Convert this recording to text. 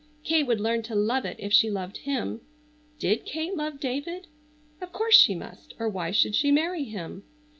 Kate would learn to love it if she loved him. Did Kate love David? Of course she must or why should she marry him?